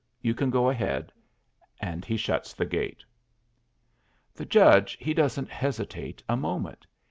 You can go ahead," and he shuts the gate. The judge he doesn't hesitate a moment.